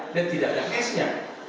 dan tidak ada cashnya